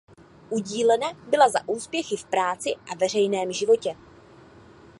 Udílena byla za úspěchy v práci a veřejném životě.